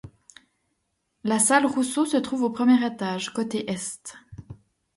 La salle Rousseau se trouve au premier étage, côté est.